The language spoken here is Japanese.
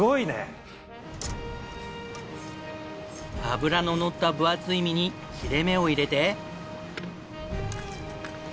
脂ののった分厚い身に切れ目を入れて。